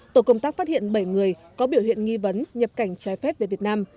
tổ công tác phát hiện bảy người có biểu hiện nghi vấn nhập cảnh trái phép về việt nam